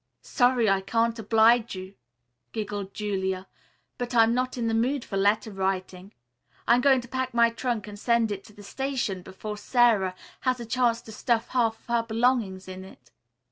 "Sorry I can't oblige you," giggled Julia, "but I'm not in the mood for letter writing. I'm going to pack my trunk and send it to the station before Sara has a chance to stuff half of her belongings into it."